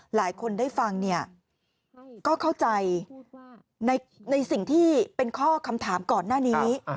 หลายคนได้ฟังเนี่ยก็เข้าใจในสิ่งที่เป็นข้อคำถามก่อนหน้านี้